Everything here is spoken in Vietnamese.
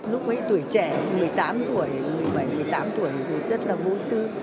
lúc ấy tuổi trẻ một mươi tám tuổi một mươi bảy một mươi tám tuổi thì rất là vô tư